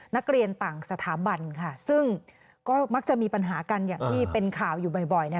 นักเรียนต่างสถาบันค่ะซึ่งก็มักจะมีปัญหากันอย่างที่เป็นข่าวอยู่บ่อย